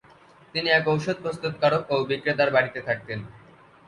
তিনি এক ঔষধ প্রস্তুতকারক ও বিক্রেতার বাড়িতে থাকতেন।